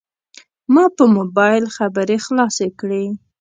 ما په موبایل خبرې خلاصې کړې.